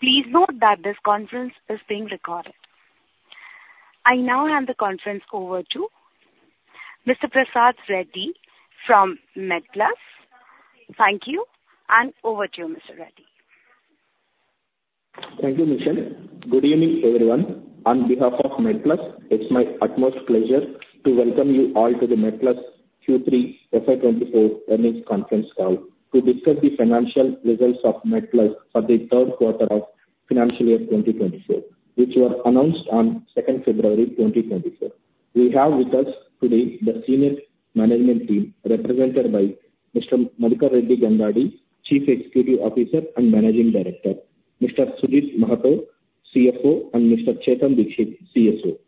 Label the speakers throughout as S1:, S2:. S1: Please note that this conference is being recorded. I now hand the conference over to Mr. Prasad Reddy from MedPlus. Thank you, and over to you, Mr. Reddy.
S2: Thank you, Michelle. Good evening, everyone. On behalf of MedPlus, it's my utmost pleasure to welcome you all to the MedPlus Q3 FY2024 earnings conference call to discuss the financial results of MedPlus for the third quarter of financial year 2024, which were announced on 2 February 2024. We have with us today the senior management team represented by Mr. Gangadi Madhukar Reddy, Chief Executive Officer and Managing Director, Mr. Sujit Mahato, CFO, and Mr. Chetan Dikshit, CSO.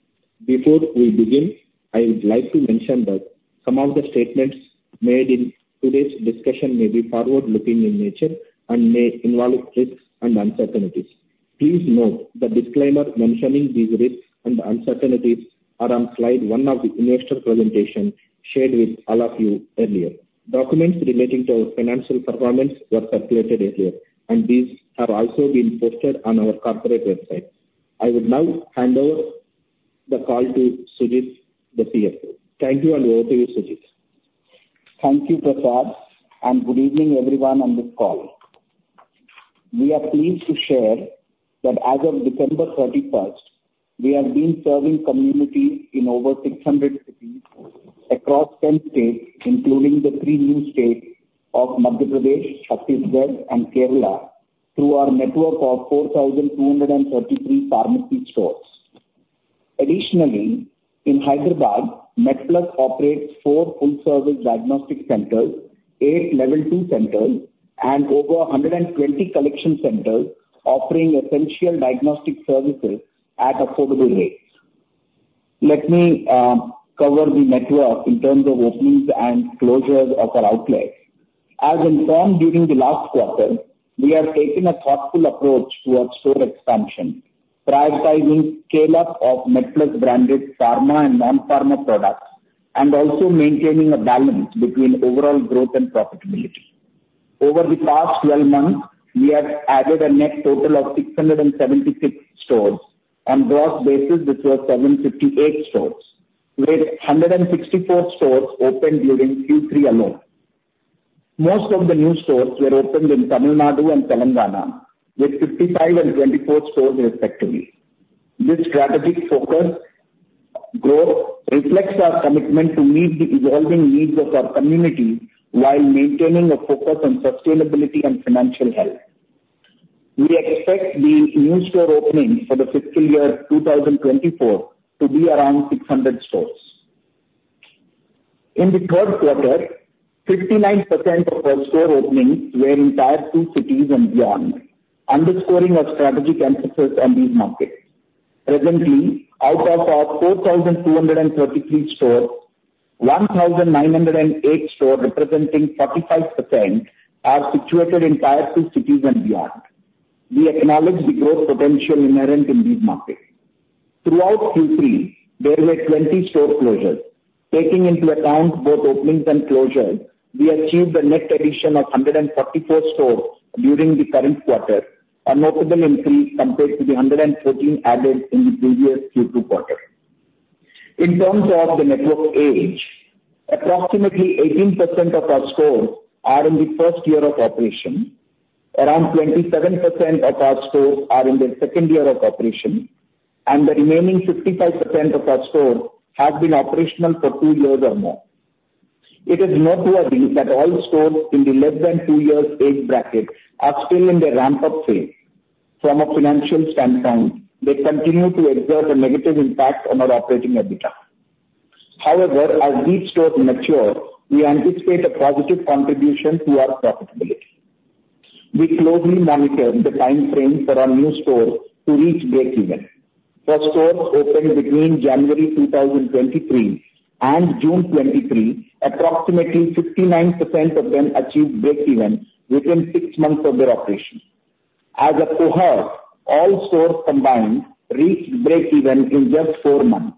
S2: Before we begin, I would like to mention that some of the statements made in today's discussion may be forward-looking in nature and may involve risks and uncertainties. Please note the disclaimer mentioning these risks and uncertainties is on slide one of the investor presentation shared with all of you earlier. Documents relating to our financial performance were circulated earlier, and these have also been posted on our corporate website. I would now hand over the call to Sujit, the CFO. Thank you, and over to you, Sujit.
S3: Thank you, Prasad, and good evening, everyone, on this call. We are pleased to share that as of December 31st, we have been serving communities in over 600 cities across 10 states, including the 3 new states of Madhya Pradesh, Chhattisgarh, and Kerala, through our network of 4,233 pharmacy stores. Additionally, in Hyderabad, MedPlus operates 4 full-service diagnostic centers, 8 level two centers, and over 120 collection centers offering essential diagnostic services at affordable rates. Let me cover the network in terms of openings and closures of our outlets. As informed during the last quarter, we have taken a thoughtful approach towards store expansion, prioritizing scale-up of MedPlus-branded pharma and non-pharma products, and also maintaining a balance between overall growth and profitability. Over the past 12 months, we have added a net total of 676 stores. On gross basis, this was 758 stores, with 164 stores opened during Q3 alone. Most of the new stores were opened in Tamil Nadu and Telangana, with 55 and 24 stores, respectively. This strategic focus on growth reflects our commitment to meet the evolving needs of our community while maintaining a focus on sustainability and financial health. We expect the new store openings for the fiscal year 2024 to be around 600 stores. In the third quarter, 59% of our store openings were in tier two cities and beyond, underscoring our strategic emphasis on these markets. Presently, out of our 4,233 stores, 1,908 stores, representing 45%, are situated in tier two cities and beyond. We acknowledge the growth potential inherent in these markets. Throughout Q3, there were 20 store closures. Taking into account both openings and closures, we achieved a net addition of 144 stores during the current quarter, a notable increase compared to the 114 added in the previous Q2 quarter. In terms of the network age, approximately 18% of our stores are in the first year of operation, around 27% of our stores are in their second year of operation, and the remaining 55% of our stores have been operational for two years or more. It is noteworthy that all stores in the less than two years age bracket are still in their ramp-up phase. From a financial standpoint, they continue to exert a negative impact on our EBITDA. However, as these stores mature, we anticipate a positive contribution to our profitability. We closely monitor the time frame for our new stores to reach breakeven. For stores opened between January 2023 and June 2023, approximately 59% of them achieved breakeven within six months of their operation. As a cohort, all stores combined reached breakeven in just four months.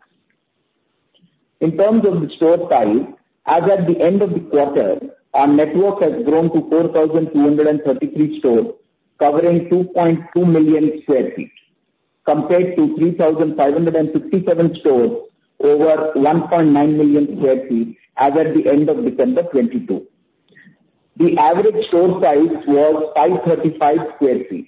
S3: In terms of the store size, as at the end of the quarter, our network has grown to 4,233 stores, covering 2.2 million sq ft, compared to 3,557 stores over 1.9 million sq ft as at the end of December 2022. The average store size was 535 sq ft.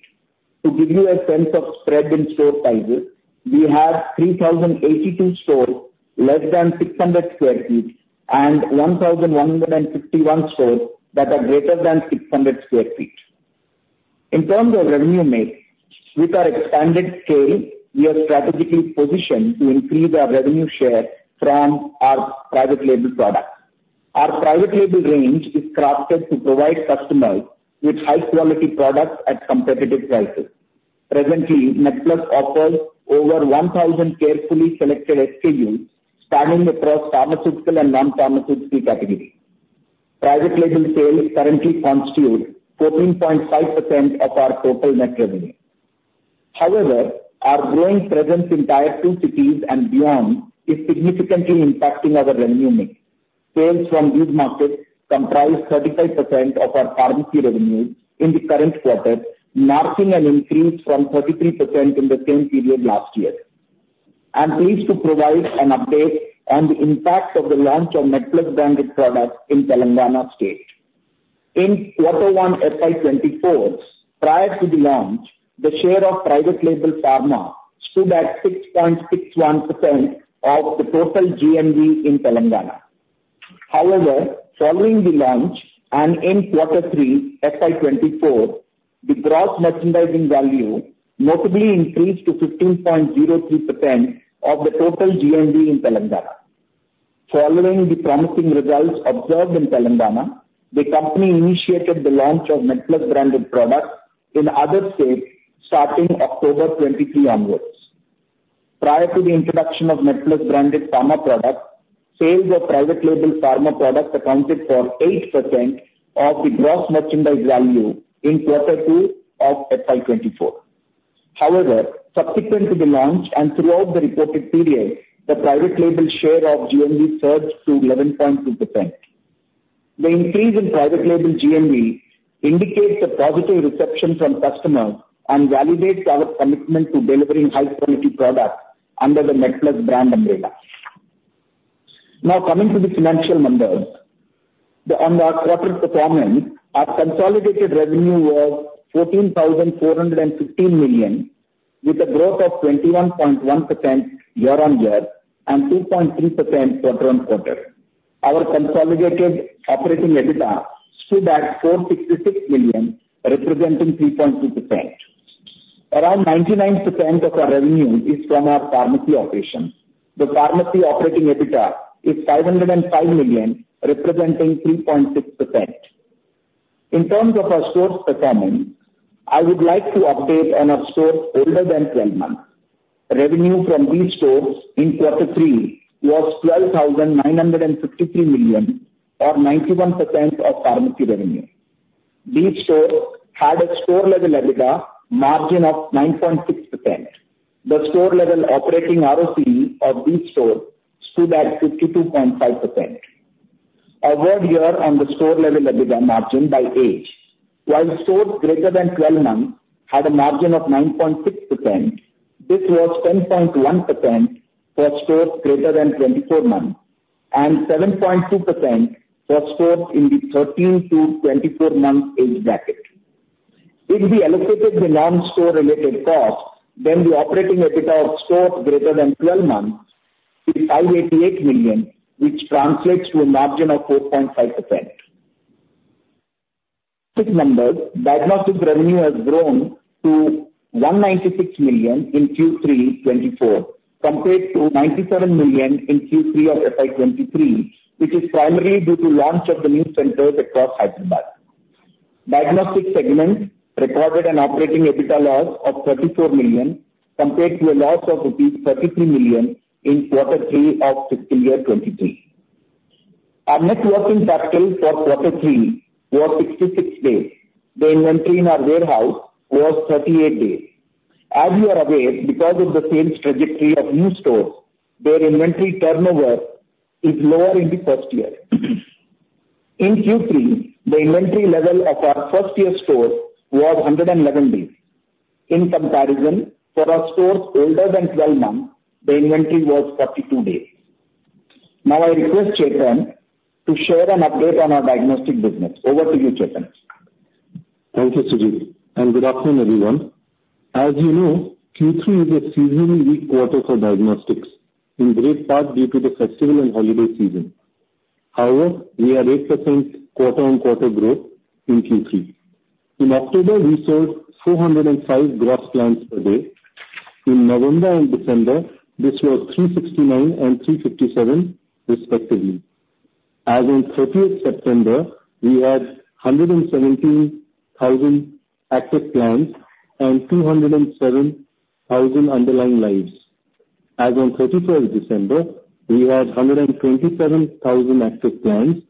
S3: To give you a sense of spread in store sizes, we have 3,082 stores less than 600 sq ft and 1,151 stores that are greater than 600 sq ft. In terms of revenue mix, with our expanded scale, we are strategically positioned to increase our revenue share from our private label products. Our private label range is crafted to provide customers with high-quality products at competitive prices. Presently, MedPlus offers over 1,000 carefully selected SKUs spanning across pharmaceutical and non-pharmaceutical categories. Private label sales currently constitute 14.5% of our total net revenue. However, our growing presence in tier two cities and beyond is significantly impacting our revenue mix. Sales from these markets comprise 35% of our pharmacy revenue in the current quarter, marking an increase from 33% in the same period last year. I'm pleased to provide an update on the impact of the launch of MedPlus-branded products in Telangana state. In quarter one FY2024, prior to the launch, the share of private label pharma stood at 6.61% of the total GMV in Telangana. However, following the launch and in quarter three FY2024, the gross merchandising value notably increased to 15.03% of the total GMV in Telangana. Following the promising results observed in Telangana, the company initiated the launch of MedPlus-branded products in other states starting October 23 onwards. Prior to the introduction of MedPlus-branded pharma products, sales of private label pharma products accounted for 8% of the gross merchandise value in quarter two of FY2024. However, subsequent to the launch and throughout the reported period, the private label share of GMV surged to 11.2%. The increase in private label GMV indicates a positive reception from customers and validates our commitment to delivering high-quality products under the MedPlus brand umbrella. Now, coming to the financial numbers, on our quarter performance, our consolidated revenue was 14,415 million, with a growth of 21.1% year-on-year and 2.3% quarter-on-quarter. Our consolidated EBITDA stood at 466 million, representing 3.2%. Around 99% of our revenue is from our pharmacy operations. The pharmacy EBITDA is 505 million, representing 3.6%. In terms of our store's performance, I would like to update on our stores older than 12 months. Revenue from these stores in quarter three was 12,953 million, or 91% of pharmacy revenue. These stores had a store-level EBITDA margin of 9.6%. The store-level operating ROCE of these stores stood at 52.5%. A word here on the store-level EBITDA margin by age: while stores greater than 12 months had a margin of 9.6%, this was 10.1% for stores greater than 24 months and 7.2% for stores in the 13-24 month age bracket. If we allocated the non-store-related costs, then the operating EBITDA of stores greater than 12 months is 588 million, which translates to a margin of 4.5%. In numbers, diagnostic revenue has grown to 196 million in Q3 2024 compared to 97 million in Q3 of FY2023, which is primarily due to launch of the new centers across Hyderabad. Diagnostic segments recorded an EBITDA loss of 34 million compared to a loss of rupees 33 million in quarter three of FY2023. Our net working capital for quarter three was 66 days. The inventory in our warehouse was 38 days. As you are aware, because of the sales trajectory of new stores, their inventory turnover is lower in the first year. In Q3, the inventory level of our first-year stores was 111 days. In comparison, for our stores older than 12 months, the inventory was 42 days. Now, I request Chetan to share an update on our diagnostic business. Over to you, Chetan.
S4: Thank you, Sujit, and good afternoon, everyone. As you know, Q3 is a seasonally weak quarter for diagnostics, in great part due to the festival and holiday season. However, we had 8% quarter-on-quarter growth in Q3. In October, we sold 405 gross clients per day. In November and December, this was 369 and 357, respectively. As on 30 September, we had 117,000 active clients and 207,000 underlying lives. As on 31 December, we had 127,000 active clients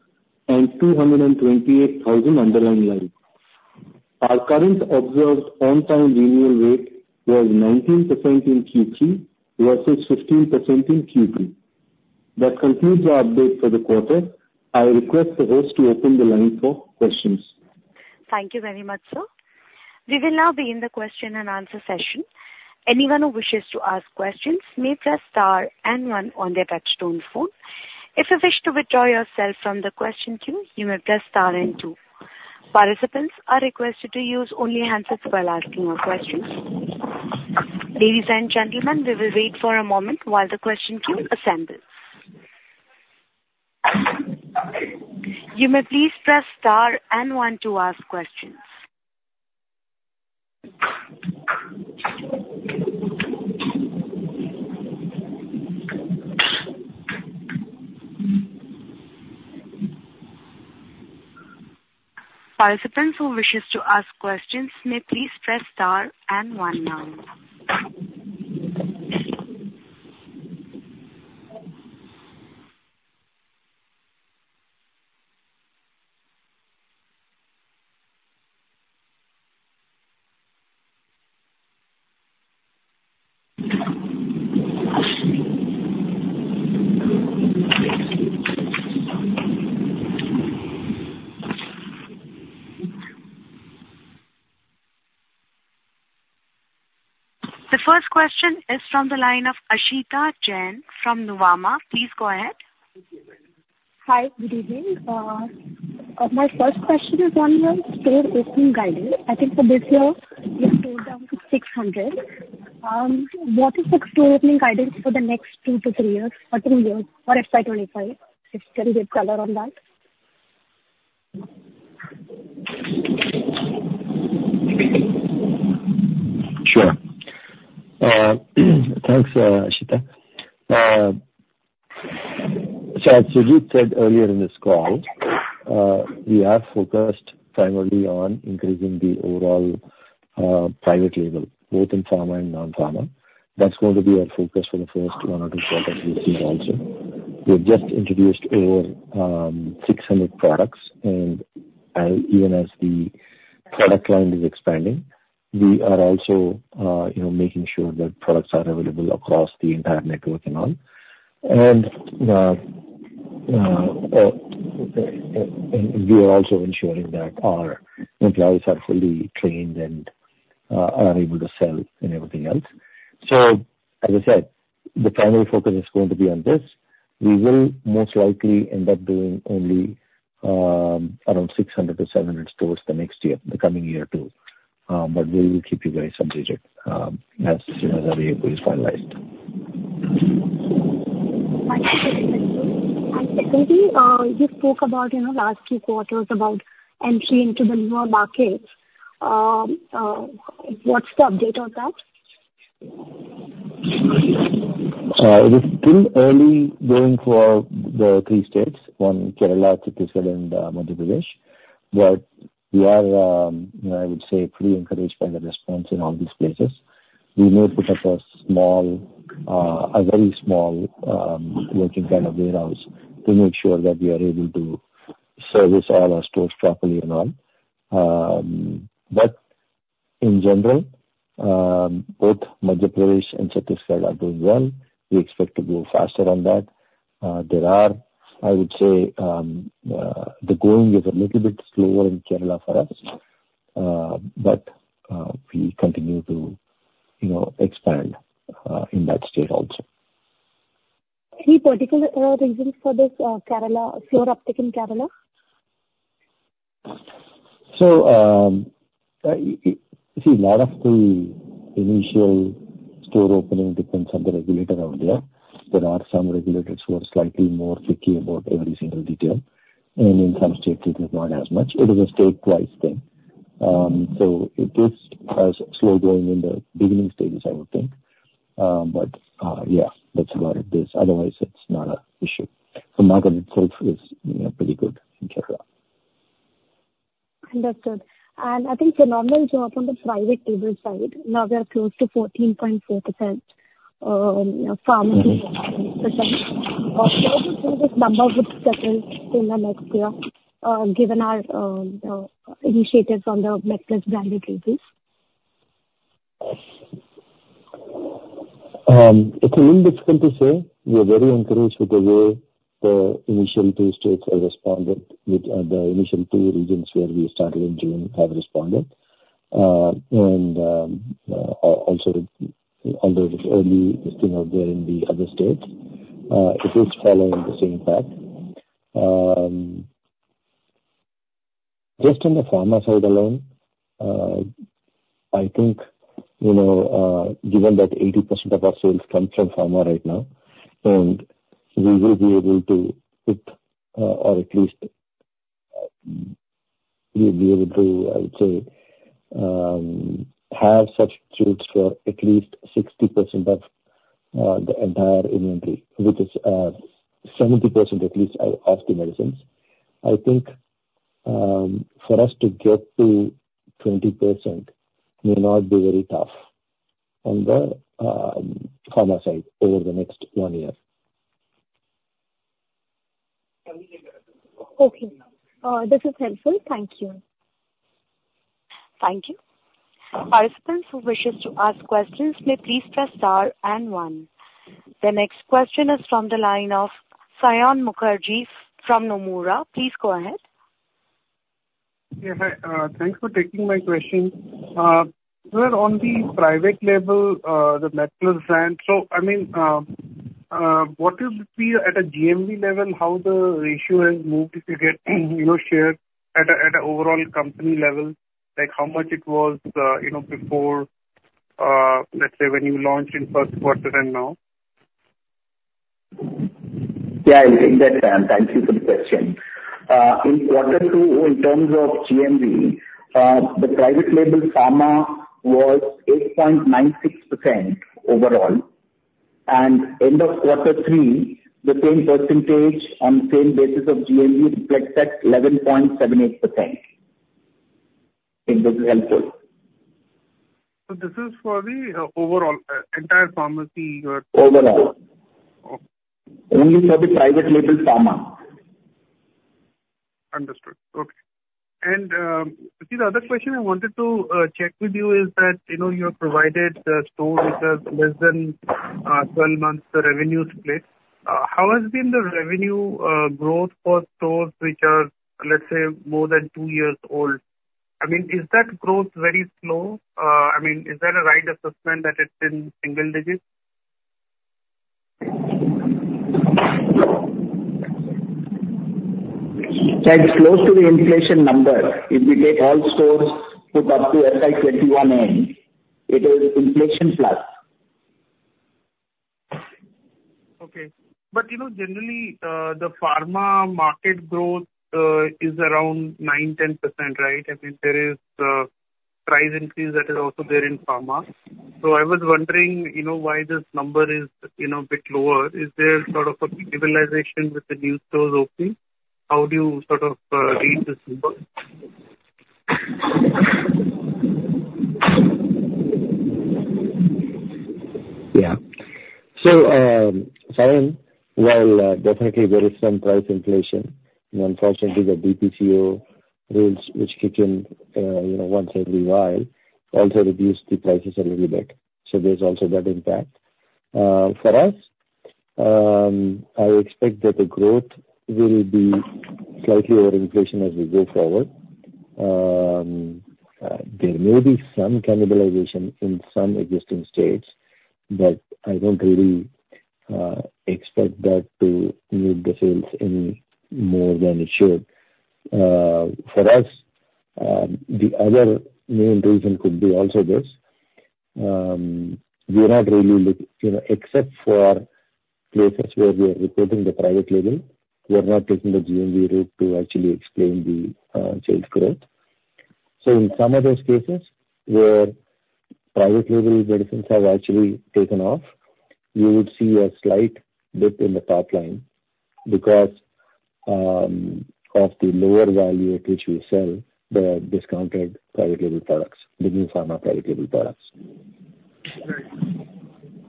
S4: and 228,000 underlying lives. Our current observed on-time renewal rate was 19% in Q3 versus 15% in Q3. That concludes our update for the quarter. I request the host to open the line for questions.
S1: Thank you very much, sir. We will now begin the question-and-answer session. Anyone who wishes to ask questions may press star and one on their touch-tone phone. If you wish to withdraw yourself from the question queue, you may press star and two. Participants are requested to use only handsets while asking your questions. Ladies and gentlemen, we will wait for a moment while the question queue assembles. You may please press star and one to ask questions. Participants who wishes to ask questions may please press star and one now. The first question is from the line of Aashita Jain from Nuvama. Please go ahead.
S5: Hi. Good evening. My first question is on your store opening guidance. I think for this year, you've slowed down to 600. What is the store opening guidance for the next two to three years or three years for FY2025? If you can give color on that.
S6: Sure. Thanks, Aashita. So, as Sujit said earlier in this call, we are focused primarily on increasing the overall private label, both in pharma and non-pharma. That's going to be our focus for the first one or two quarters this year also. We have just introduced over 600 products, and even as the product line is expanding, we are also making sure that products are available across the entire network and all. And we are also ensuring that our employees are fully trained and are able to sell and everything else. So, as I said, the primary focus is going to be on this. We will most likely end up doing only around 600-700 stores the next year, the coming year too. But we will keep you guys updated as soon as our AOP is finalized.
S5: Thank you. Sujit, you spoke about last few quarters about entry into the newer markets. What's the update on that?
S6: It is still early going for the three states: one, Kerala, Chhattisgarh, and Madhya Pradesh. But we are, I would say, pretty encouraged by the response in all these places. We may put up a very small working kind of warehouse to make sure that we are able to service all our stores properly and all. But in general, both Madhya Pradesh and Chhattisgarh are doing well. We expect to go faster on that. I would say the growing is a little bit slower in Kerala for us, but we continue to expand in that state also.
S5: Any particular reasons for this floor uptick in Kerala?
S6: So, see, a lot of the initial store opening depends on the regulator out there. There are some regulators who are slightly more picky about every single detail, and in some states, it is not as much. It is a state-wise thing. So it is slow going in the beginning stages, I would think. But yeah, that's about it. Otherwise, it's not an issue. The market itself is pretty good in Kerala.
S5: Understood. I think the normal job on the private label side, now we are close to 14.4% pharmacy operating percent. How would you say this number would settle in the next year, given our initiatives on the MedPlus-branded labels?
S6: It's a little difficult to say. We are very encouraged with the way the initial two states have responded, the initial two regions where we started in June have responded, and also all the early listing out there in the other states. It is following the same path. Just on the pharma side alone, I think given that 80% of our sales come from pharma right now, and we will be able to, or at least we will be able to, I would say, have substitutes for at least 60% of the entire inventory, which is 70% at least of the medicines. I think for us to get to 20% may not be very tough on the pharma side over the next one year.
S5: Okay. This is helpful. Thank you.
S1: Thank you. Participants who wishes to ask questions may please press star and one. The next question is from the line of Saion Mukherjee from Nomura. Please go ahead.
S7: Yeah. Hi. Thanks for taking my question. Sir, on the private label, the MedPlus Brand, so I mean, what would be at a GMV level, how the ratio has moved if you get shared at an overall company level, how much it was before, let's say, when you launched in first quarter and now?
S3: Yeah. Indeed, Saion. Thank you for the question. In quarter two, in terms of GMV, the private label pharma was 8.96% overall. And end of quarter three, the same percentage on the same basis of GMV reflects at 11.78%. If this is helpful.
S7: This is for the overall entire pharmacy you're.
S3: Overall. Only for the private label pharma.
S7: Understood. Okay. And see, the other question I wanted to check with you is that you have provided the stores with less than 12 months revenue split. How has been the revenue growth for stores which are, let's say, more than two years old? I mean, is that growth very slow? I mean, is that a right assessment that it's in single digits?
S3: Yeah. It's close to the inflation number. If we take all stores up to FY2021, it is inflation plus.
S7: Okay. But generally, the pharma market growth is around 9%-10%, right? I mean, there is a price increase that is also there in pharma. So I was wondering why this number is a bit lower. Is there sort of a stabilization with the new stores opening? How do you sort of read this number?
S6: Yeah. So, Saion, while definitely there is some price inflation, and unfortunately, the DPCO rules, which kick in once every while, also reduce the prices a little bit. So there's also that impact. For us, I expect that the growth will be slightly over inflation as we go forward. There may be some cannibalization in some existing states, but I don't really expect that to move the sales any more than it should. For us, the other main reason could be also this. We are not really looking except for places where we are reporting the private label, we are not taking the GMV route to actually explain the sales growth. So in some of those cases where private label medicines have actually taken off, you would see a slight dip in the top line because of the lower value at which we sell the discounted private label products, the new pharma private label products.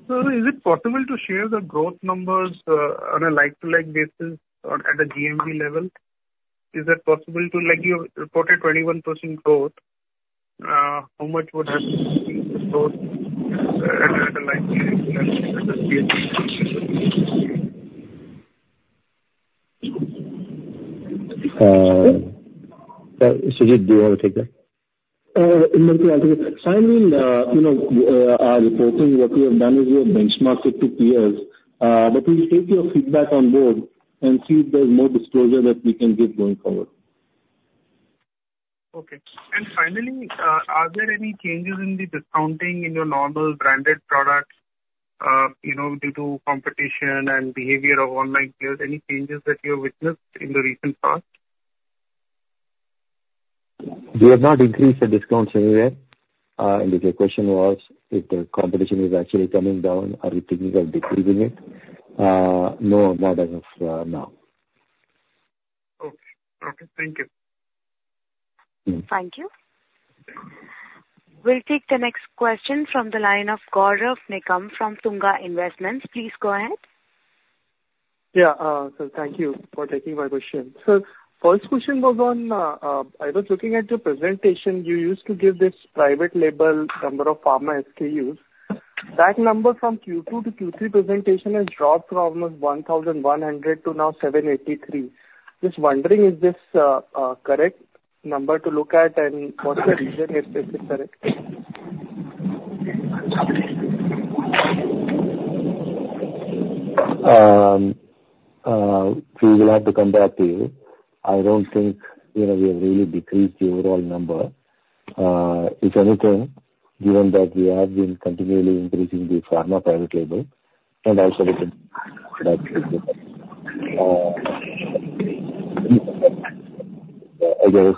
S7: Sir, is it possible to share the growth numbers on a like-to-like basis at a GMV level? Is it possible, too? You reported 21% growth. How much would happen to the growth at a like-to-like level at the CHP?
S6: Sir, Sujit, do you want to take that?
S3: In MedPlus Health Services, we are reporting. What we have done is we have benchmarked it to peers. But we'll take your feedback on board and see if there's more disclosure that we can give going forward.
S7: Okay. And finally, are there any changes in the discounting in your normal branded products due to competition and behavior of online players? Any changes that you have witnessed in the recent past?
S6: We have not increased the discounts anywhere. If your question was if the competition is actually coming down, are we thinking of decreasing it? No, not as of now.
S7: Okay. Okay. Thank you.
S1: Thank you. We'll take the next question from the line of Gaurav Nigam from Tunga Investments. Please go ahead.
S8: Yeah. Sir, thank you for taking my question. Sir, first question was on I was looking at your presentation. You used to give this private label number of pharma SKUs. That number from Q2 to Q3 presentation has dropped from almost 1,100 to now 783. Just wondering, is this a correct number to look at, and what's the reason if it's correct?
S6: We will have to come back to you. I don't think we have really decreased the overall number. If anything, given that we have been continually increasing the pharma private label, and also that it has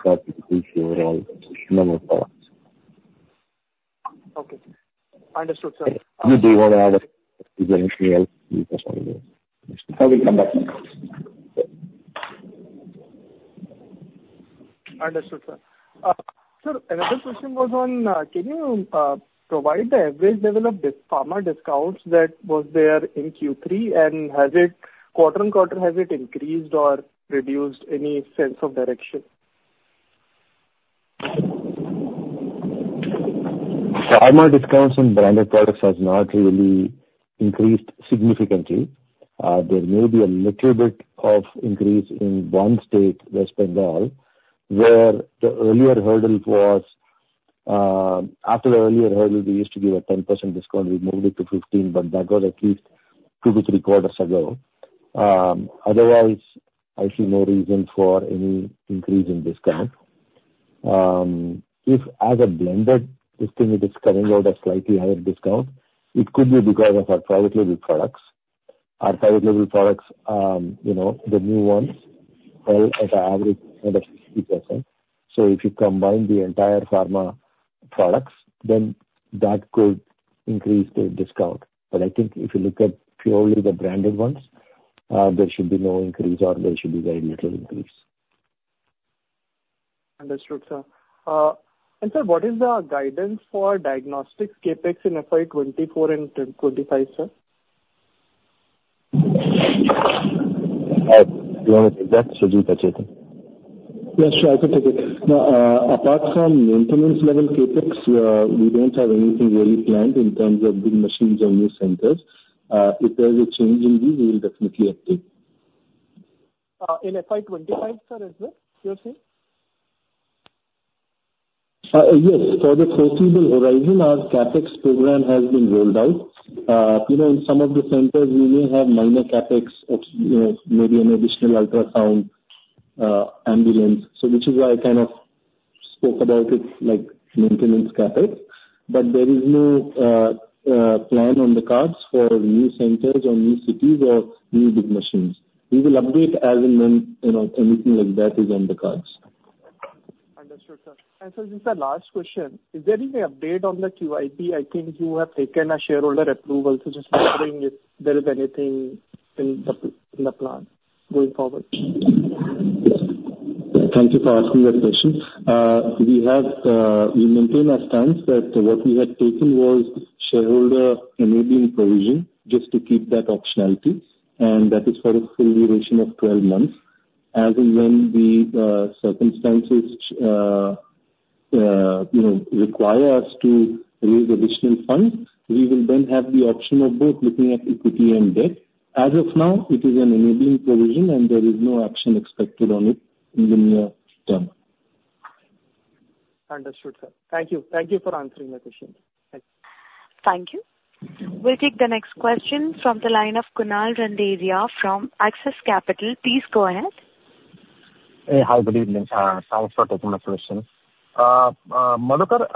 S6: not decreased the overall number of products.
S8: Okay. Understood, sir.
S6: If you do want to add anything else, you can follow this.
S3: I will come back to you.
S8: Understood, sir. Sir, another question was on can you provide the average level of pharma discounts that was there in Q3, and quarter-on-quarter, has it increased or reduced any sense of direction?
S6: Pharma discounts on branded products have not really increased significantly. There may be a little bit of increase in one state responding where the earlier hurdle was. After the earlier hurdle, we used to give a 10% discount. We moved it to 15%, but that was at least 2-3 quarters ago. Otherwise, I see no reason for any increase in discount. If, as a blended, this thing is coming out a slightly higher discount, it could be because of our private label products. Our private label products, the new ones, sell at an average of 60%. So if you combine the entire pharma products, then that could increase the discount. But I think if you look at purely the branded ones, there should be no increase, or there should be very little increase.
S8: Understood, sir. And sir, what is the guidance for diagnostics CapEx in FY2024 and FY2025, sir?
S6: Do you want to take that, Sujit Mahato?
S3: Yes, sure. I could take it. Apart from maintenance-level CapEx, we don't have anything really planned in terms of big machines or new centers. If there is a change in these, we will definitely update.
S8: In FY2025, sir, is that you're saying?
S3: Yes. For the foreseeable horizon, our CapEx program has been rolled out. In some of the centers, we may have minor CapEx, maybe an additional ultrasound ambulance, so which is why I kind of spoke about it like maintenance CapEx. But there is no plan on the cards for new centers or new cities or new big machines. We will update as and when anything like that is on the cards.
S8: Understood, sir. And sir, just that last question, is there any update on the QIP? I think you have taken a shareholder approval. So just wondering if there is anything in the plan going forward.
S3: Thank you for asking that question. We maintain our stance that what we had taken was shareholder enabling provision just to keep that optionality, and that is for a full duration of 12 months. As and when the circumstances require us to raise additional funds, we will then have the option of both looking at equity and debt. As of now, it is an enabling provision, and there is no action expected on it in the near term.
S8: Understood, sir. Thank you. Thank you for answering my question.
S1: Thank you. We'll take the next question from the line of Kunal Randeria from Axis Capital. Please go ahead.
S9: Hey. Hi. Good evening. Thanks for taking my question. Madhukar,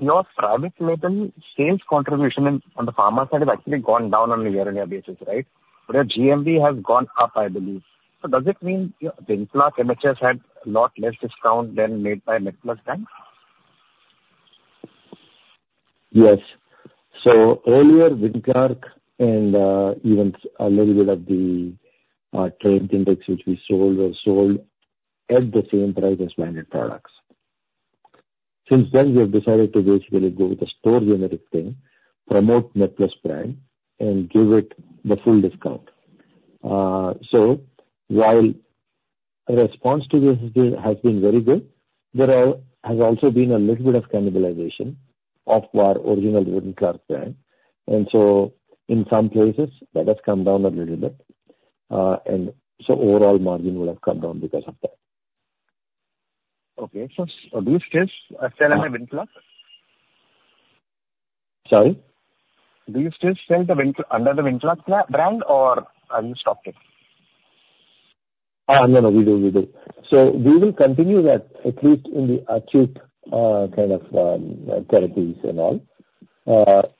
S9: your private label sales contribution on the pharma side has actually gone down on a year-on-year basis, right? But your GMV has gone up, I believe. So does it mean Wynclark MHS had a lot less discount than made by MedPlus Brand?
S6: Yes. So earlier, Wynclark and even a little bit of the Trade Generics, which we sold, were sold at the same price as branded products. Since then, we have decided to basically go with a store-generic thing, promote MedPlus Brand, and give it the full discount. So while response to this has been very good, there has also been a little bit of cannibalization of our original Wynclark brand. And so in some places, that has come down a little bit. And so overall margin will have come down because of that.
S9: Okay. Sir, do you still sell under Wynclark?
S6: Sorry?
S9: Do you still sell under the Wynclark brand, or have you stopped it?
S6: No, no. We do. We do. So we will continue that, at least in the acute kind of therapies and all.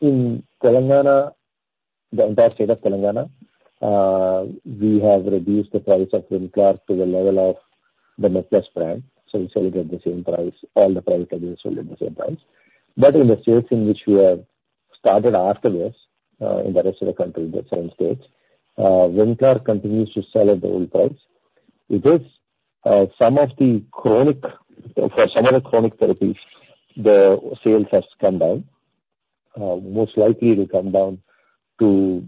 S6: In Telangana, the entire state of Telangana, we have reduced the price of Wynclark to the level of the MedPlus Brand. So we sell it at the same price. All the private labels sell it at the same price. But in the states in which we have started after this, in the rest of the country, the seven states, Wynclark continues to sell at the old price. Some of the chronic for some of the chronic therapies, the sales have come down. Most likely, it will come down to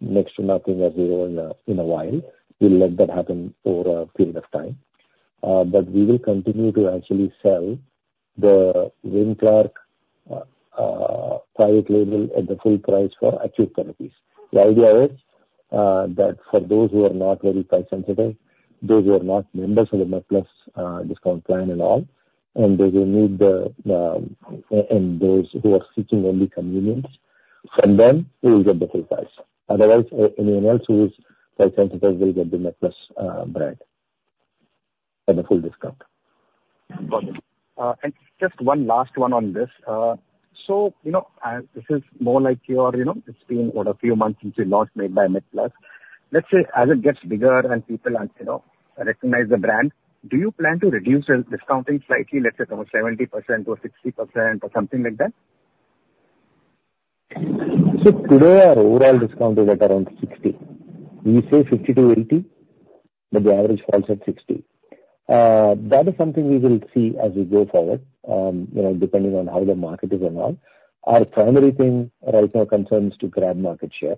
S6: next to nothing or zero in a while. We'll let that happen over a period of time. But we will continue to actually sell the Wynclark private label at the full price for acute therapies. The idea is that for those who are not very price-sensitive, those who are not members of the MedPlus discount plan at all, and those who need them and those who are seeking only convenience, from them, we will get the full price. Otherwise, anyone else who is price-sensitive will get the MedPlus Brand at the full discount.
S9: Got it. And just one last one on this. So this is more like your it's been what, a few months since we launched Made by MedPlus. Let's say as it gets bigger and people recognize the brand, do you plan to reduce the discounting slightly, let's say from 70%-60% or something like that?
S6: So today, our overall discount is at around 60%. We say 50%-80%, but the average falls at 60%. That is something we will see as we go forward, depending on how the market is and all. Our primary thing right now concerns is to grab market share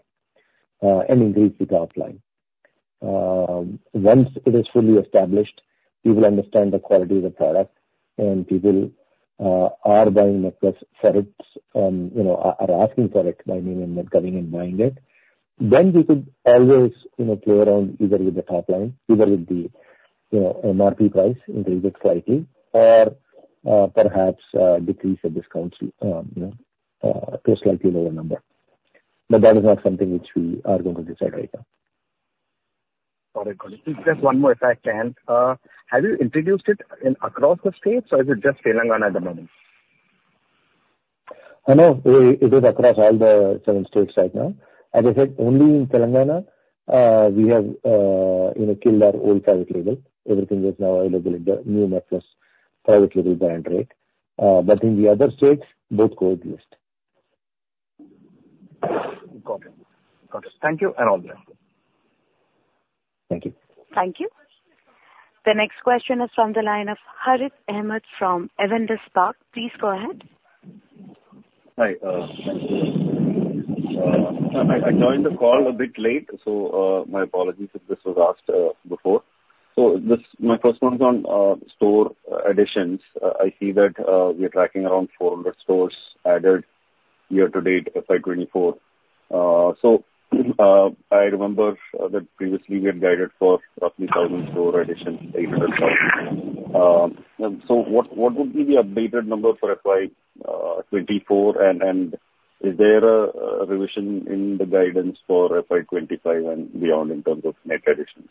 S6: and increase the top line. Once it is fully established, people understand the quality of the product, and people are buying MedPlus for it are asking for it by name and then coming and buying it, then we could always play around either with the top line, either with the MRP price, increase it slightly, or perhaps decrease the discounts to a slightly lower number. But that is not something which we are going to decide right now.
S9: Got it. Got it. Just one more thing, sir. Have you introduced it across the states, or is it just Telangana at the moment?
S6: No, it is across all the seven states right now. As I said, only in Telangana, we have killed our old private label. Everything is now available at the new MedPlus private label brand rate. But in the other states, both go at least.
S9: Got it. Got it. Thank you and all the best.
S6: Thank you.
S1: Thank you. The next question is from the line of Harith Ahamed from Avendus Spark. Please go ahead.
S10: Hi. Thank you. I joined the call a bit late, so my apologies if this was asked before. So my first one is on store additions. I see that we are tracking around 400 stores added year-to-date FY2024. So I remember that previously, we had guided for roughly 1,000 store additions, 800,000. So what would be the updated number for FY2024, and is there a revision in the guidance for FY2025 and beyond in terms of net additions?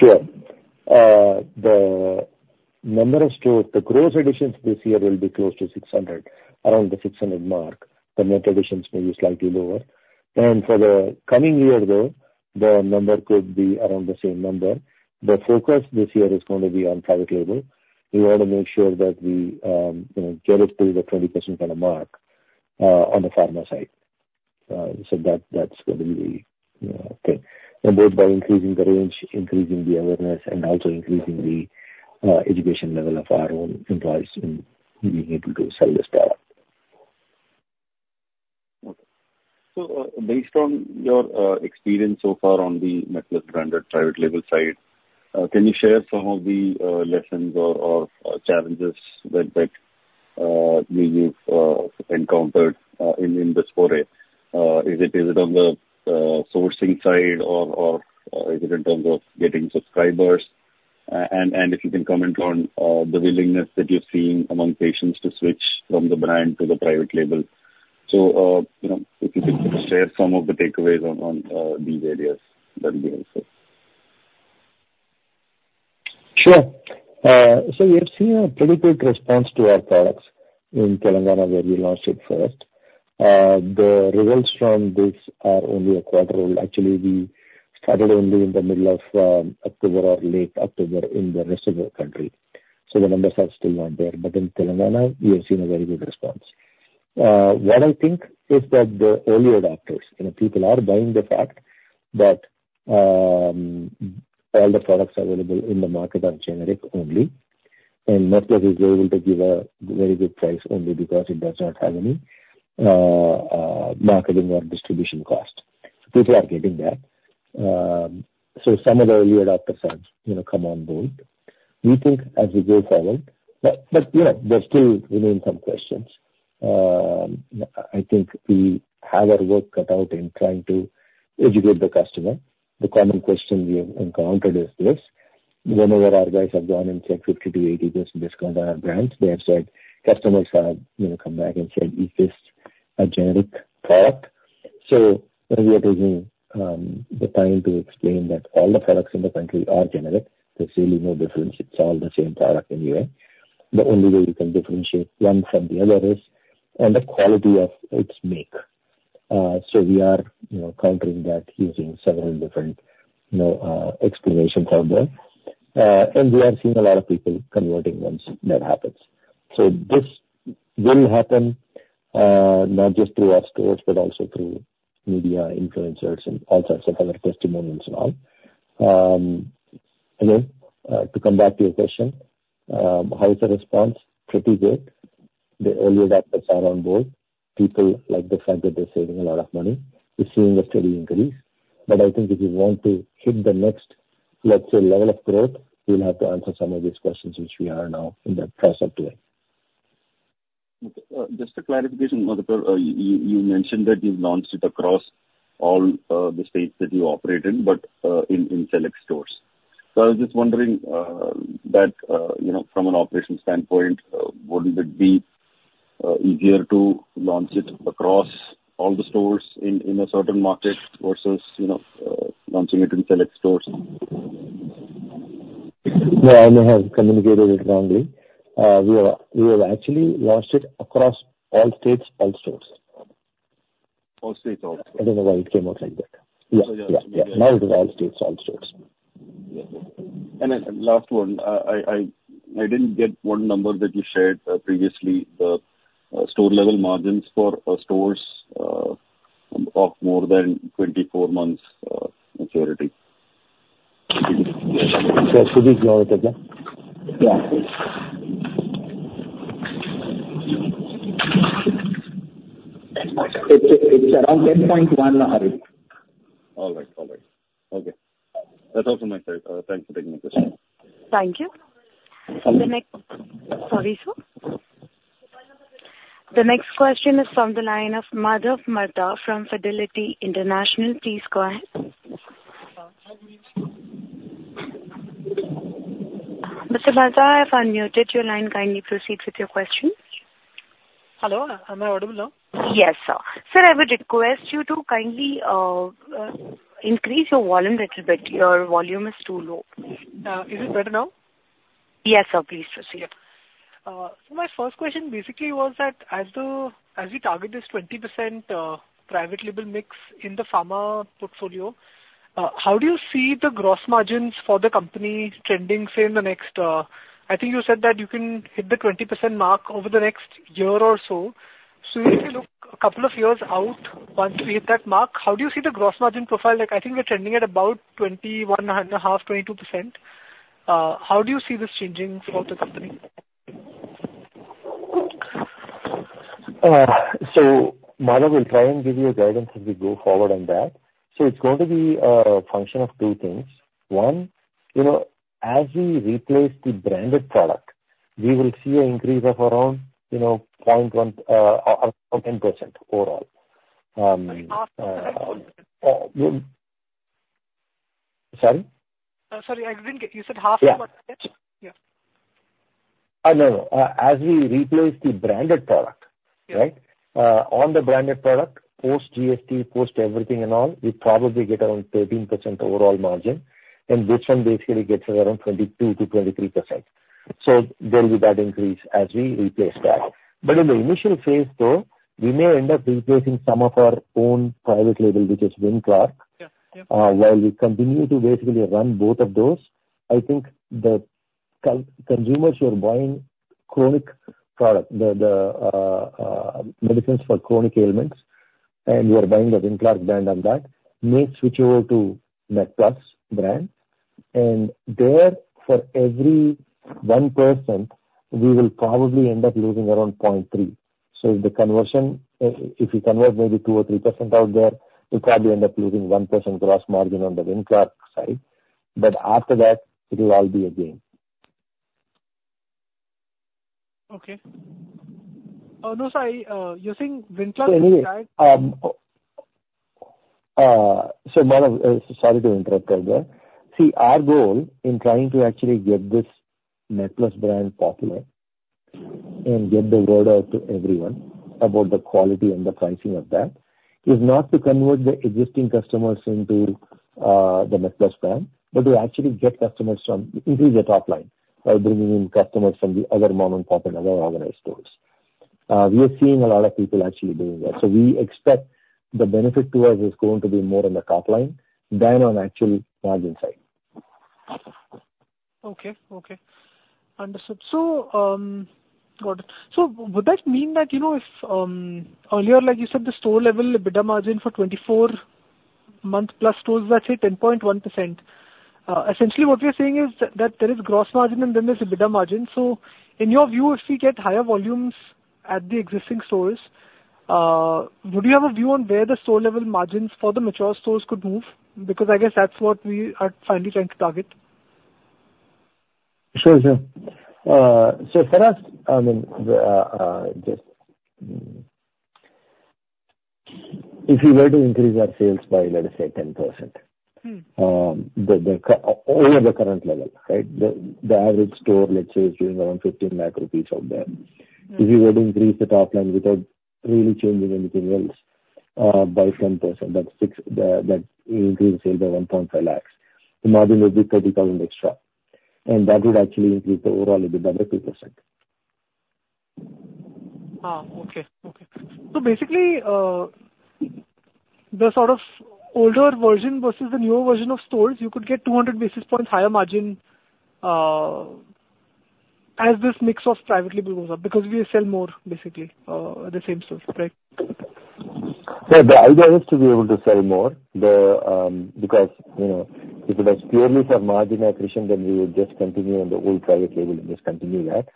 S6: Sure. The number of stores, the gross additions this year will be close to 600, around the 600 mark. The net additions may be slightly lower. For the coming year, though, the number could be around the same number. The focus this year is going to be on private label. We want to make sure that we get it to the 20% kind of mark on the pharma side. So that's going to be the thing. Both by increasing the range, increasing the awareness, and also increasing the education level of our own employees in being able to sell this product.
S10: Okay. So based on your experience so far on the MedPlus branded private label side, can you share some of the lessons or challenges that you've encountered in this foray? Is it on the sourcing side, or is it in terms of getting subscribers? And if you can comment on the willingness that you've seen among patients to switch from the brand to the private label? So if you could share some of the takeaways on these areas, that would be helpful.
S6: Sure. So we have seen a pretty good response to our products. In Telangana, where we launched it first. The results from this are only a quarter old. Actually, we started only in the middle of October or late October in the rest of the country. So the numbers are still not there. But in Telangana, we have seen a very good response. What I think is that the early adopters, people are buying the fact that all the products available in the market are generic only, and MedPlus is able to give a very good price only because it does not have any marketing or distribution cost. People are getting that. So some of the early adopters have come on board. We think as we go forward but there still remain some questions. I think we have our work cut out in trying to educate the customer. The common question we have encountered is this. Whenever our guys have gone and said, "50%-80% discount on our brands," they have said customers have come back and said, "Is this a generic product?" So we are taking the time to explain that all the products in the country are generic. There's really no difference. It's all the same product anyway. The only way you can differentiate one from the other is on the quality of its make. So we are countering that using several different explanations out there. And we are seeing a lot of people converting once that happens. So this will happen not just through our stores but also through media, influencers, and all sorts of other testimonials and all. Again, to come back to your question, how is the response? Pretty good. The early adopters are on board. People like the fact that they're saving a lot of money. We're seeing a steady increase. But I think if you want to hit the next, let's say, level of growth, you'll have to answer some of these questions, which we are now in the process of doing.
S10: Okay. Just a clarification, Madhukar, you mentioned that you've launched it across all the states that you operate in, but in select stores. So I was just wondering that from an operational standpoint, wouldn't it be easier to launch it across all the stores in a certain market versus launching it in select stores?
S6: No, I may have communicated it wrongly. We have actually launched it across all states, all stores.
S10: All states, all stores.
S6: I don't know why it came out like that. Yeah. Now it is all states, all stores.
S10: Yes. And last one. I didn't get one number that you shared previously, the store-level margins for stores of more than 24 months' maturity.
S6: Sir, could you ignore it again?
S3: Yeah. It's around 10.1, Harith.
S10: All right. All right. Okay. That's all from my side. Thanks for taking my question.
S1: Thank you. Sorry, sir. The next question is from the line of Madhav Marda from Fidelity International. Please go ahead. Mr. Marda, I have unmuted your line. Kindly proceed with your question.
S11: Hello. Am I audible now?
S1: Yes, sir. Sir, I would request you to kindly increase your volume a little bit. Your volume is too low.
S11: Is it better now?
S1: Yes, sir. Please proceed.
S11: Yep. So my first question basically was that as we target this 20% private label mix in the pharma portfolio, how do you see the gross margins for the company trending say in the next I think you said that you can hit the 20% mark over the next year or so. So if we look a couple of years out once we hit that mark, how do you see the gross margin profile? I think we're trending at about 21.5%-22%. How do you see this changing for the company?
S6: Madhav will try and give you a guidance as we go forward on that. It's going to be a function of 2 things. 1, as we replace the branded product, we will see an increase of around 0.1% or 10% overall.
S11: Half of what?
S6: Sorry?
S11: Sorry. You said half of what?
S6: Yeah.
S11: Yeah.
S6: No, no. As we replace the branded product, right, on the branded product, post-GST, post-everything and all, we probably get around 13% overall margin, and which one basically gets around 22%-23%. So there'll be that increase as we replace that. But in the initial phase, though, we may end up replacing some of our own private label, which is Wynclark. While we continue to basically run both of those, I think the consumers who are buying chronic products, the medicines for chronic ailments, and we are buying the Wynclark brand on that may switch over to MedPlus brand. And there, for every 1%, we will probably end up losing around 0.3. So if we convert maybe 2% or 3% out there, we'll probably end up losing 1% gross margin on the Wynclark side. But after that, it'll all be a gain.
S11: Okay. No, sorry. You're saying Wynclark is a guide?
S6: So Madhav, sorry to interrupt right there. See, our goal in trying to actually get this MedPlus Brand popular and get the word out to everyone about the quality and the pricing of that is not to convert the existing customers into the MedPlus Brand, but to actually get customers from increase the top line by bringing in customers from the other mom-and-pop and other organized stores. We are seeing a lot of people actually doing that. So we expect the benefit to us is going to be more on the top line than on actual margin side.
S11: Okay. Okay. Understood. Got it. So would that mean that if earlier, like you said, the store-level bidding margin for 24-month-plus stores, that's it, 10.1%? Essentially, what we are saying is that there is gross margin, and then there's a bidding margin. So in your view, if we get higher volumes at the existing stores, would you have a view on where the store-level margins for the mature stores could move? Because I guess that's what we are finally trying to target.
S6: Sure, sure. So for us, I mean, just if we were to increase our sales by, let's say, 10% over the current level, right, the average store, let's say, is doing around 15 lakh rupees out there. If we were to increase the top line without really changing anything else by 10%, that increase the sale by 1.5 lakhs, the margin would be 30,000 extra. And that would actually increase the overall EBITDA by 50%.
S11: Okay. Okay. So basically, the sort of older version versus the newer version of stores, you could get 200 basis points higher margin as this mix of private label goes up because we sell more, basically, at the same store, right?
S6: Yeah. The idea is to be able to sell more because if it was purely for margin accretion, then we would just continue on the old private label and just continue that.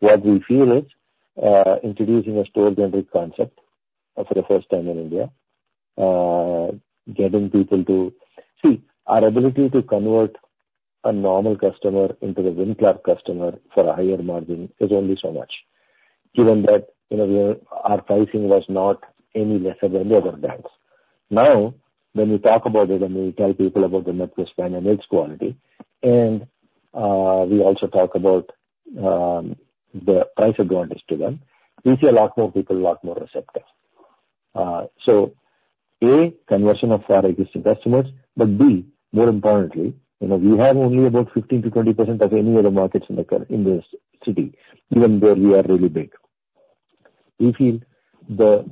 S6: What we feel is introducing a store-generic concept for the first time in India, getting people to see, our ability to convert a normal customer into the Wynclark customer for a higher margin is only so much given that our pricing was not any lesser than the other brands. Now, when we talk about it and we tell people about the MedPlus brand and its quality, and we also talk about the price advantage to them, we see a lot more people, a lot more receptive. So A, conversion of our existing customers. But B, more importantly, we have only about 15%-20% of any other markets in this city, even though we are really big. We feel the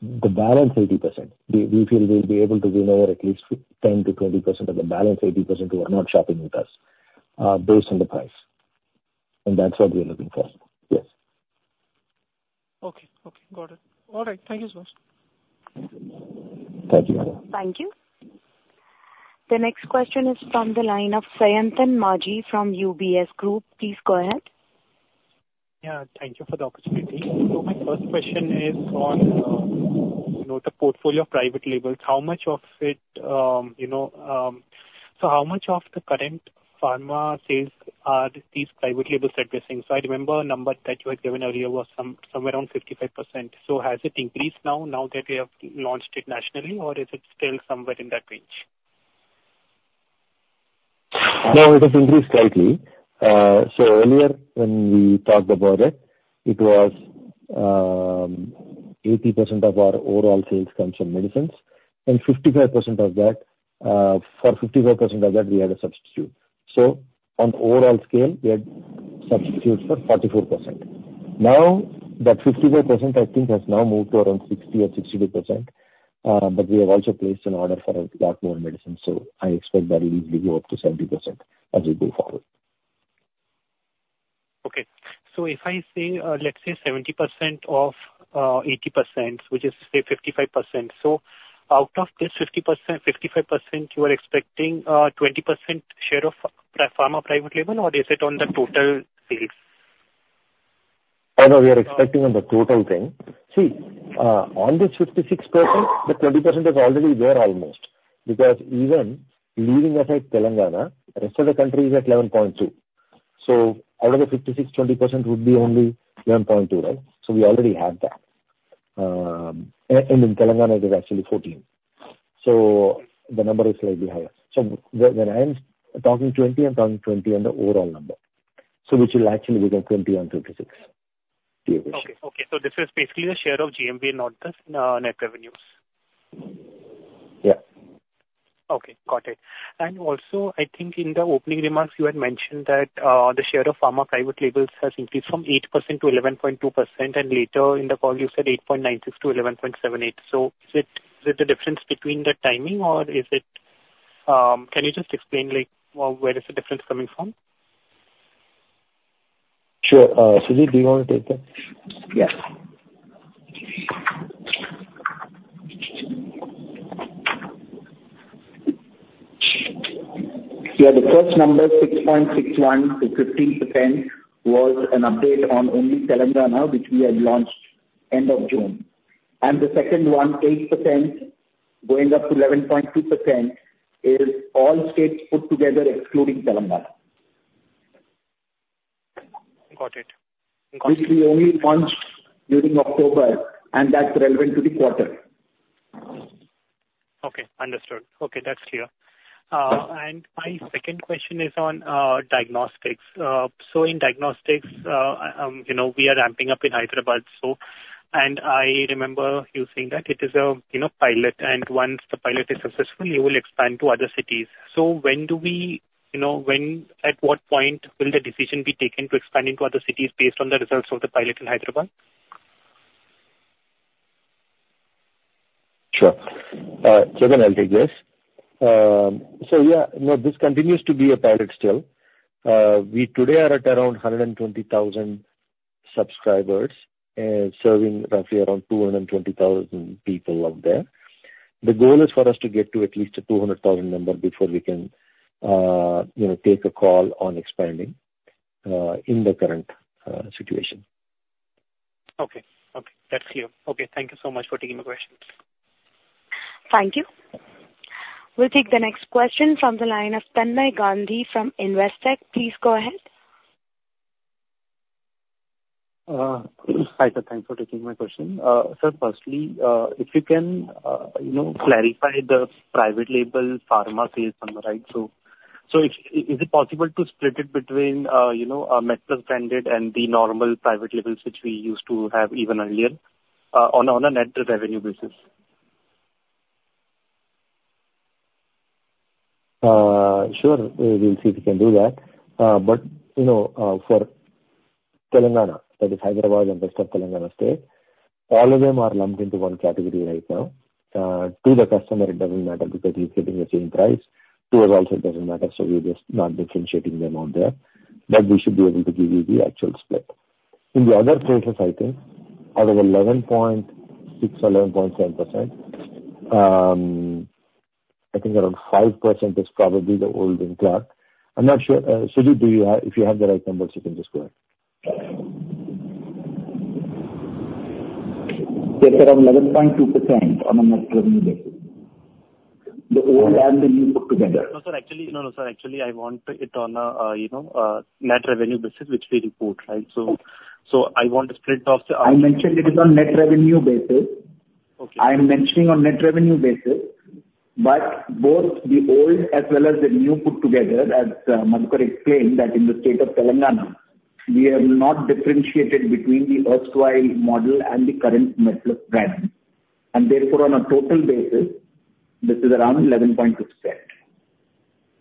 S6: balance 80%. We feel we'll be able to win over at least 10%-20% of the balance 80% who are not shopping with us based on the price. That's what we're looking for. Yes.
S11: Okay. Okay. Got it. All right. Thank you so much.
S6: Thank you. Thank you, Madhav.
S1: Thank you. The next question is from the line of Sayantan Maji from UBS Group. Please go ahead.
S12: Yeah. Thank you for the opportunity. So my first question is on the portfolio of private labels. How much of it so how much of the current pharma sales are these private labels addressing? So I remember a number that you had given earlier was somewhere around 55%. So has it increased now that we have launched it nationally, or is it still somewhere in that range?
S6: No, it has increased slightly. So earlier, when we talked about it, it was 80% of our overall sales comes from medicines, and for 55% of that, we had a substitute. So on the overall scale, we had substitutes for 44%. Now, that 54%, I think, has now moved to around 60 or 62%. But we have also placed an order for a lot more medicines. So I expect that it'll easily go up to 70% as we go forward.
S12: Okay. So if I say, let's say, 70% of 80%, which is, say, 55%, so out of this 55%, you are expecting a 20% share of pharma private label, or is it on the total sales?
S6: I know we are expecting on the total thing. See, on this 56%, the 20% is already there almost because even leaving aside Telangana, the rest of the country is at 11.2%. So out of the 56, 20% would be only 11.2%, right? So we already have that. And in Telangana, it is actually 14%. So the number is slightly higher. So when I am talking 20, I'm talking 20 on the overall number, so which will actually become 20 on 56 to your question.
S12: Okay. Okay. So this is basically the share of GMV and not the net revenues?
S6: Yeah.
S12: Okay. Got it. And also, I think in the opening remarks, you had mentioned that the share of pharma private labels has increased from 8%-11.2%. And later in the call, you said 8.96%-11.78%. So is it the difference between the timing, or can you just explain where is the difference coming from?
S6: Sure. Sujit, do you want to take that?
S3: Yes. Yeah. The first number, 6.61%-15%, was an update on only Telangana, which we had launched end of June. The second one, 8%-11.2%, is all states put together excluding Telangana.
S12: Got it. Got it.
S3: Which we only launched during October, and that's relevant to the quarter.
S12: Okay. Understood. Okay. That's clear. And my second question is on diagnostics. So in diagnostics, we are ramping up in Hyderabad. And I remember you saying that it is a pilot. And once the pilot is successful, you will expand to other cities. So when do we, at what point, will the decision be taken to expand into other cities based on the results of the pilot in Hyderabad?
S6: Sure. Second, I'll take this. So yeah, no, this continues to be a pilot still. Today, we are at around 120,000 subscribers and serving roughly around 220,000 people out there. The goal is for us to get to at least a 200,000 number before we can take a call on expanding in the current situation.
S12: Okay. Okay. That's clear. Okay. Thank you so much for taking my questions.
S1: Thank you. We'll take the next question from the line of Tanmay Gandhi from Investec. Please go ahead.
S13: Hi, sir. Thanks for taking my question. Sir, firstly, if you can clarify the private label pharma sales number, right? So is it possible to split it between MedPlus branded and the normal private labels, which we used to have even earlier, on a net revenue basis?
S6: Sure. We'll see if we can do that. But for Telangana, that is Hyderabad and rest of Telangana state, all of them are lumped into one category right now. To the customer, it doesn't matter because he's getting the same price. To us also, it doesn't matter. So we're just not differentiating them out there. But we should be able to give you the actual split. In the other places, I think out of 11.6 or 11.7%, I think around 5% is probably the old Wynclark. I'm not sure. Sujit, if you have the right numbers, you can just go ahead.
S3: Yes, sir. Around 11.2% on a net revenue basis, the old and the new put together.
S13: No, sir. Actually, no, no, sir. Actually, I want it on a net revenue basis, which we report, right? So I want a split of the.
S3: I mentioned it is on net revenue basis. I am mentioning on net revenue basis, but both the old as well as the new put together, as Madhukar explained, that in the state of Telangana, we have not differentiated between the erstwhile model and the current MedPlus brand. And therefore, on a total basis, this is around 11.2%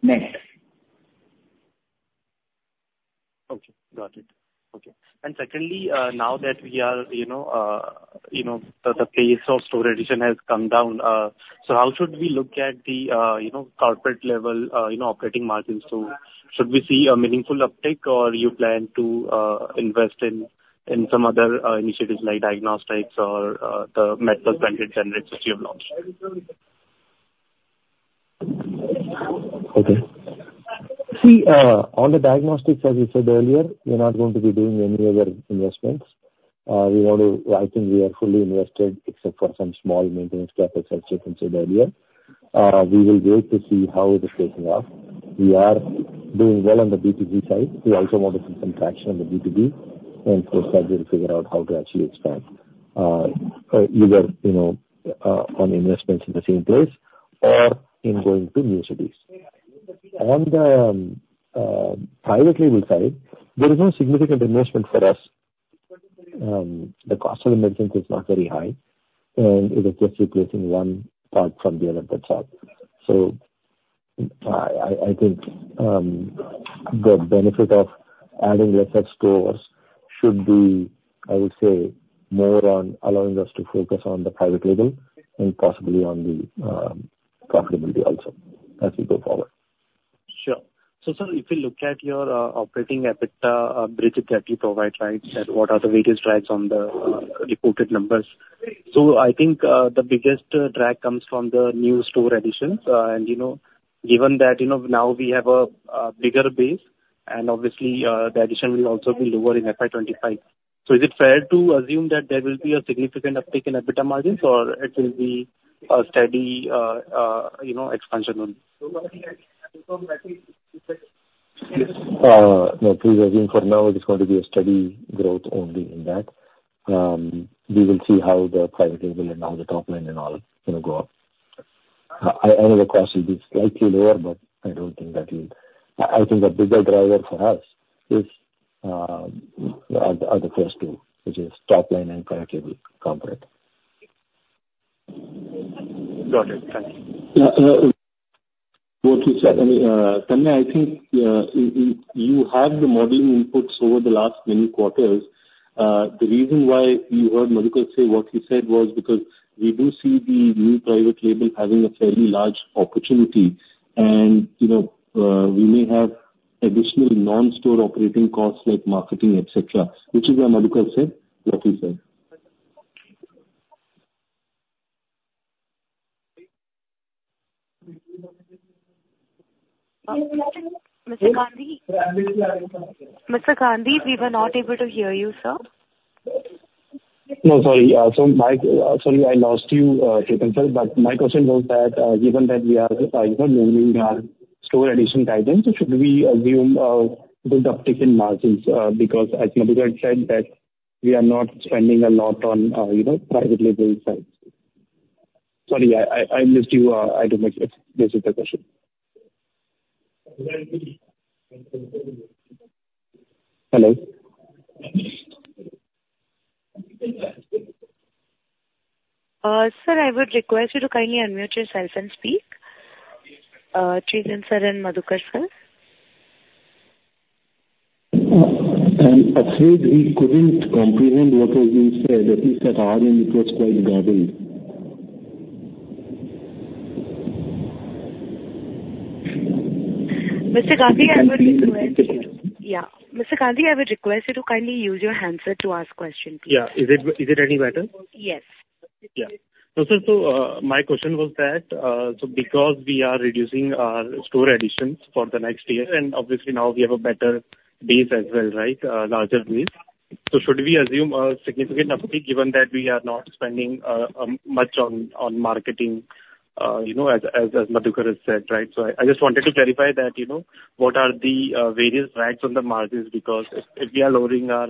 S3: net.
S13: Okay. Got it. Okay. And secondly, now that the pace of store addition has come down, so how should we look at the corporate-level operating margins? So should we see a meaningful uptick, or do you plan to invest in some other initiatives like diagnostics or the MedPlus branded generics which you have launched?
S6: Okay. See, on the diagnostics, as you said earlier, we're not going to be doing any other investments. I think we are fully invested except for some small maintenance cap, as I said earlier. We will wait to see how it is taking off. We are doing well on the B2B side. We also want to see some traction on the B2B. And for that, we'll figure out how to actually expand either on investments in the same place or in going to new cities. On the private label side, there is no significant investment for us. The cost of the medicines is not very high, and it is just replacing one part from the other. That's all. I think the benefit of adding lesser stores should be, I would say, more on allowing us to focus on the private label and possibly on the profitability also as we go forward.
S13: Sure. So sir, if we look at your operating EBITDA bridges that you provide, right, what are the various drags on the reported numbers? So I think the biggest drag comes from the new store additions. And given that now we have a bigger base, and obviously, the addition will also be lower in FY2025. So is it fair to assume that there will be a significant uptick in EBITDA margins, or it will be a steady expansion only?
S6: No, please assume for now it is going to be a steady growth only in that. We will see how the private label and how the top line and all go up. I know the cost will be slightly lower, but I don't think that we'll. I think a bigger driver for us are the first two, which is top line and private label compared.
S13: Got it. Thank you.
S4: What you said, I mean, Tanmay, I think you have the modeling inputs over the last many quarters. The reason why you heard Madhukar say what he said was because we do see the new private label having a fairly large opportunity, and we may have additional non-store operating costs like marketing, etc., which is why Madhukar said what he said.
S1: Mr. Gandhi? Mr. Gandhi, we were not able to hear you, sir.
S13: No, sorry. So sorry, I lost you, Sujit and sir. But my question was that given that we are homing in on our store addition guidance, should we assume a good uptick in margins because, as Madhukar said, that we are not spending a lot on private label sites? Sorry, I missed you. I don't know if this is the question. Hello?
S1: Sir, I would request you to kindly unmute yourself and speak. Sujit and sir and Madhukar, sir.
S4: Actually, we couldn't comprehend what was being said. At least at our end, it was quite garbled.
S1: Mr. Gandhi, I would request.
S13: Yes.
S1: Yeah. Mr. Gandhi, I would request you to kindly use your handset to ask questions, please.
S13: Yeah. Is it any better?
S1: Yes.
S13: Yeah. No, sir. So my question was that because we are reducing our store additions for the next year, and obviously, now we have a better base as well, right, larger base, so should we assume a significant uptick given that we are not spending much on marketing, as Madhukar has said, right? So I just wanted to clarify that what are the various drags on the margins because if we are lowering our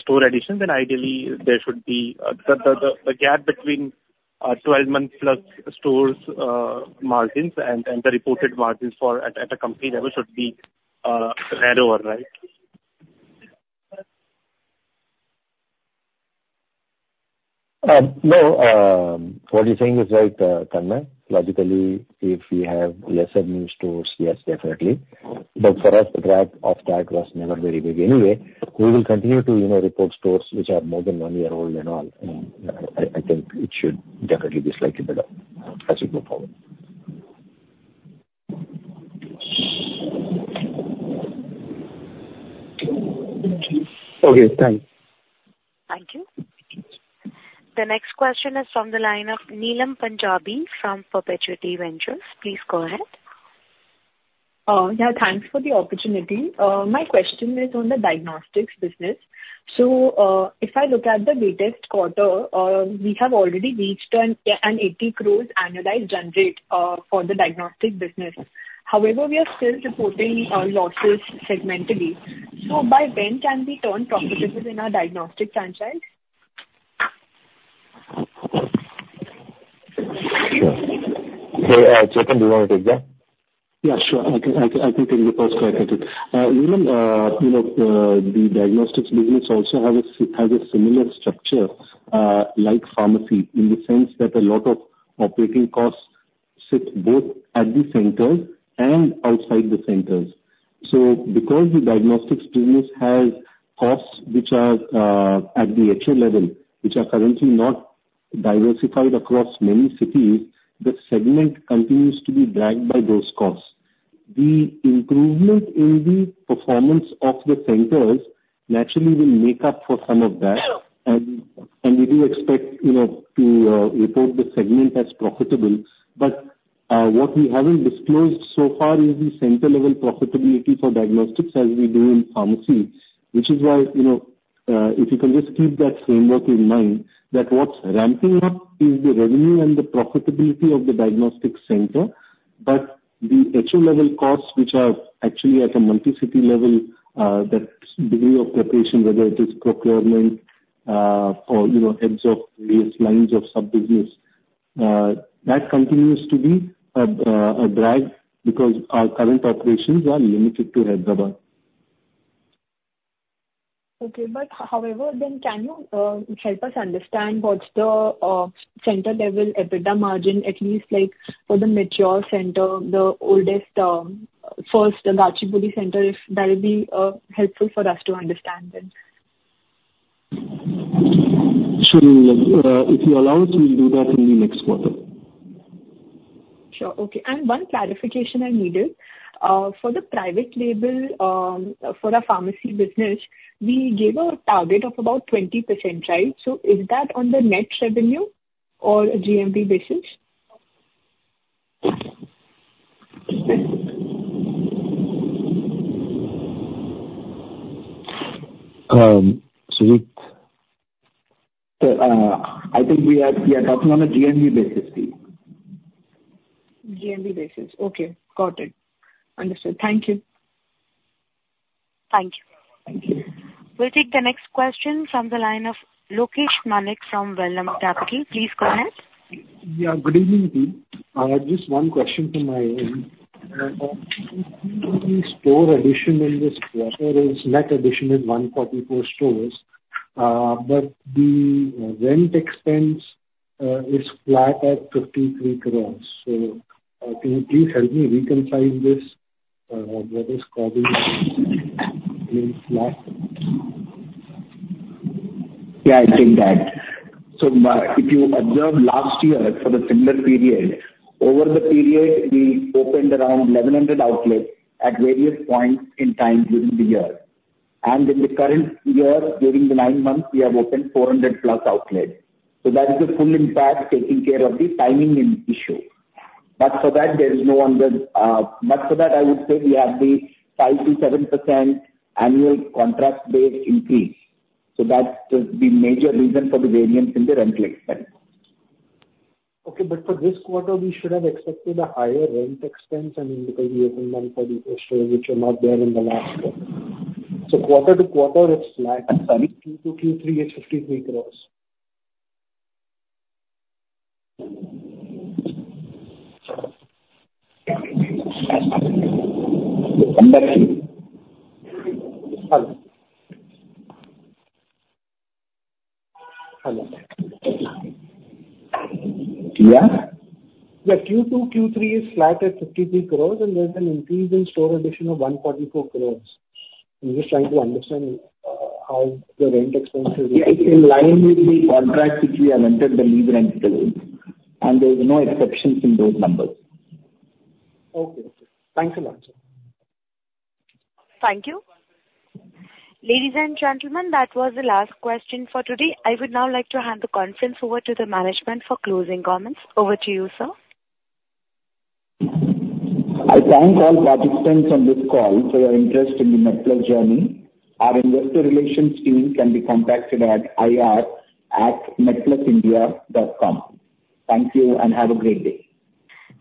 S13: store addition, then ideally, there should be the gap between 12-month-plus stores' margins and the reported margins at a company level should be narrower, right?
S6: No, what you're saying is right, Tanmay. Logically, if we have lesser new stores, yes, definitely. But for us, the drag off that was never very big anyway. We will continue to report stores which are more than one year old and all. And I think it should definitely be slightly better as we go forward.
S13: Okay. Thanks.
S1: Thank you. The next question is from the line of Neelam Punjabi from Perpetuity Ventures. Please go ahead.
S14: Yeah. Thanks for the opportunity. My question is on the diagnostics business. So if I look at the latest quarter, we have already reached an 80 crore annualized generate for the diagnostic business. However, we are still reporting losses segmentally. So by when can we turn profitable in our diagnostic franchise?
S6: Sure. Hey, Chetan, do you want to take that?
S4: Yeah, sure. I can take the first question. Neelam, the diagnostics business also has a similar structure like pharmacy in the sense that a lot of operating costs sit both at the centers and outside the centers. So because the diagnostics business has costs which are at the HO level, which are currently not diversified across many cities, the segment continues to be dragged by those costs. The improvement in the performance of the centers naturally will make up for some of that, and we do expect to report the segment as profitable. But what we haven't disclosed so far is the center-level profitability for diagnostics as we do in pharmacy, which is why if you can just keep that framework in mind that what's ramping up is the revenue and the profitability of the diagnostic center, but the HO level costs which are actually at a multi-city level, that degree of preparation, whether it is procurement or heads of various lines of sub-business, that continues to be a drag because our current operations are limited to Hyderabad.
S14: Okay. But however, then can you help us understand what's the center-level EBITDA margin, at least for the mature center, the oldest, first Gachibowli center, if that would be helpful for us to understand then?
S4: Sure. If you allow us, we'll do that in the next quarter.
S14: Sure. Okay. And one clarification I needed. For the private label for a pharmacy business, we gave a target of about 20%, right? So is that on the net revenue or GMV basis?
S6: Sujit, I think we are talking on a GMV basis, team.
S14: GMV basis. Okay. Got it. Understood. Thank you.
S1: Thank you. Thank you. We'll take the next question from the line of Lokesh Manik from Vallum Capital. Please go ahead.
S15: Yeah. Good evening, team. I had just one question from my end. If the store addition in this quarter is net addition is 144 stores, but the rent expense is flat at 53 crore, so can you please help me reconcile this? What is causing this being flat?
S4: Yeah, I take that. So if you observe last year for the similar period, over the period, we opened around 1,100 outlets at various points in time during the year. And in the current year, during the nine months, we have opened 400+ outlets. So that is the full impact taking care of the timing issue. But for that, there is no under but for that, I would say we have the 5%-7% annual contract-based increase. So that's the major reason for the variance in the rental expense.
S15: Okay. But for this quarter, we should have expected a higher rent expense, I mean, because we opened them for the first stores, which are not there in the last quarter. So quarter to quarter, it's flat.
S3: I'm sorry?
S15: Q2, Q3 is INR 53 crore.
S3: I'm back to you.
S4: Hello?
S3: Yeah?
S15: Yeah. Q2, Q3 is flat at 53 crore, and there's an increase in store addition of 144 crore. I'm just trying to understand how the rent expense is.
S4: Yeah. It's in line with the contract which we have entered the lease rent bill. There's no exceptions in those numbers.
S15: Okay. Thanks a lot, sir.
S1: Thank you. Ladies and gentlemen, that was the last question for today. I would now like to hand the conference over to the management for closing comments. Over to you, sir.
S3: I thank all participants on this call for your interest in the MedPlus journey. Our investor relations team can be contacted at ir@medplusindia.com. Thank you and have a great day.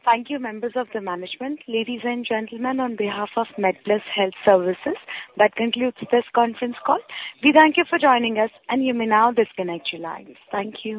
S1: Thank you, members of the management. Ladies and gentlemen, on behalf of MedPlus Health Services, that concludes this conference call. We thank you for joining us, and you may now disconnect your lines. Thank you.